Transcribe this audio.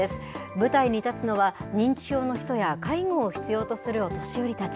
舞台に立つのは、認知症の人や介護を必要とするお年寄りたち。